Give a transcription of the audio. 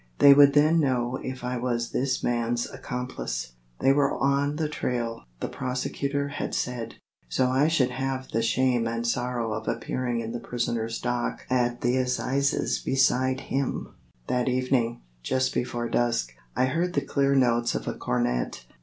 They would then know if I was this man's accomplice. They were on the trail, the prosecutor had said, so I should have the shame and sorrow of appearing in the prisoner's dock at the Assizes beside him. That evening, just before dusk, I heard the clear notes of a cornet.